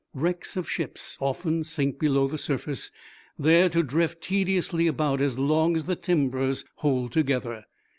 Wrecks of ships often sink below the surface, there to drift tediously about as long as the timbers hold together.